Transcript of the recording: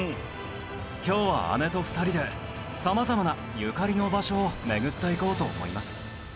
今日は姉と２人で様々なゆかりの場所を巡っていこうと思います。